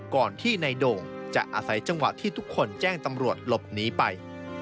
ก่อนที่ในโด่งจะอาศัยจังหวะที่ทุกคนแจ้งตำรวจหลบหนีไป